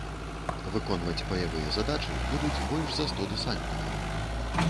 Выконваць баявыя задачы будуць больш за сто дэсантнікаў.